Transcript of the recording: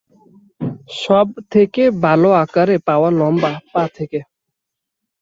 সবথেকে ভালো আকারে পাওয়া লম্বা, পা থেকে